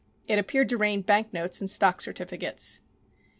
It appeared to rain banknotes and stock certificates.